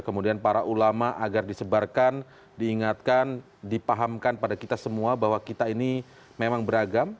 kemudian para ulama agar disebarkan diingatkan dipahamkan pada kita semua bahwa kita ini memang beragam